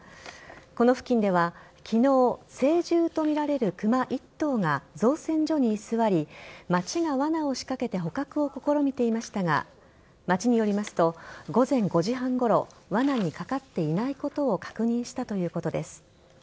この付近では昨日成獣とみられるクマ１頭が造船所に居座り町が罠を仕掛けて捕獲を試みていましたが町によりますと午前５時半ごろ罠にかかっていないことを確認したということです。